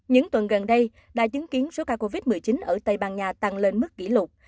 những tuần gần đây đã chứng kiến số ca covid một mươi chín ở tây ban nha tăng lên mức kỷ lục